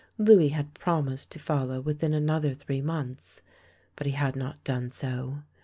Louis had promised to follow within another three months, but he had not done so.